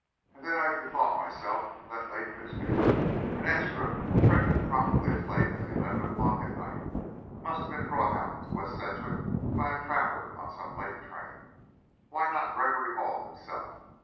And then I bethought myself of that late newspaper. An extra, printed probably as late as eleven o'clock at night, must have been brought out to West Sedgwick by a traveller on some late train. Why not Gregory Hall, himself?